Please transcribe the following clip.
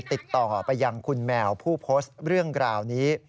ติดต่อไปยังคุณแมวผู้โพสต์เรื่องราวนี้